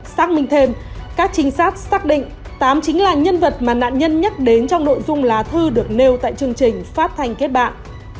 xác minh thêm các trinh sát xác định tám chính là nhân vật mà nạn nhân nhắc đến trong nội dung lá thư được nêu tại chương trình phát thanh kết bạn